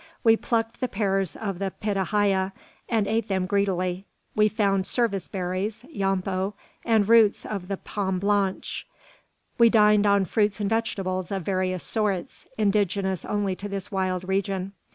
We plucked the pears of the pitahaya, and ate them greedily; we found service berries, yampo, and roots of the "pomme blanche." We dined on fruits and vegetables of various sorts, indigenous only to this wild region.